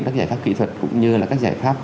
các giải pháp kỹ thuật cũng như là các giải pháp